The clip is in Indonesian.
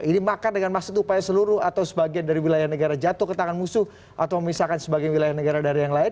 ini makan dengan maksud upaya seluruh atau sebagian dari wilayah negara jatuh ke tangan musuh atau memisahkan sebagai wilayah negara dari yang lain